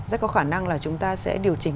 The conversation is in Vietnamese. rất có khả năng là chúng ta sẽ điều chỉnh